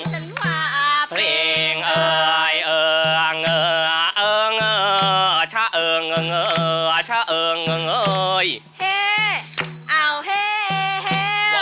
เฮ้เอ้าเฮ้เห้ว